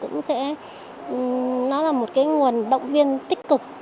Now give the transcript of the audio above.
nó là một nguồn động viên tích cực